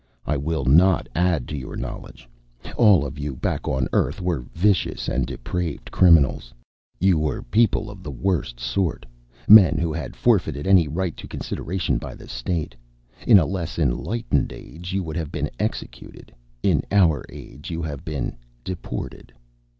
"I will not add to your knowledge. All of you, back on Earth, were vicious and depraved criminals. You were people of the worst sort, men who had forfeited any right to consideration by the State. In a less enlightened age, you would have been executed. In our age, you have been deported."